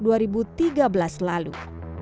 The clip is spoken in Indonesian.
produk yang ditawarkan juga lebih spesifik